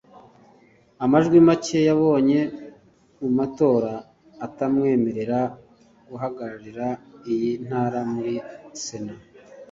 amajwi macye yabonye mu matora atamwemerera guhagararira iyi ntara muri Sena